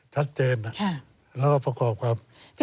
ชัดเจนน่ะและประกอบกับค่ะ